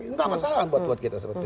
nggak masalah buat kita